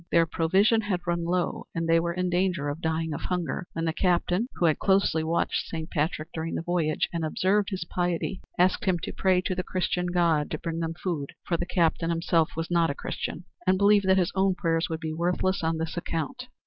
Their provision had run low and they were in danger of dying of hunger, when the captain, who had closely watched Saint Patrick during the voyage and observed his piety, asked him to pray to the Christian god to bring them food, for the captain himself was not a Christian and believed that his own prayers would be worthless on this account.